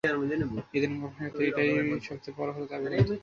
এ ধরনের গবষণার ক্ষেত্রে এটাই সবচেয়ে বড় বলে দাবি করেন তিনি।